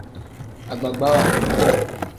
Agbagbawa.